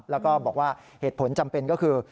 แล้วก็บอกว่าเหตุผลจำเป็นก็คือ